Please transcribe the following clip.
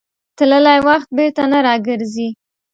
تللی وخت بېرته نه راګرځي.